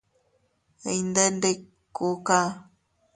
Iyndè ndikuka.